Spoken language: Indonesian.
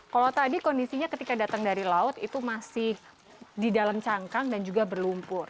kalau tadi kondisinya ketika datang dari laut itu masih di dalam cangkang dan juga berlumpur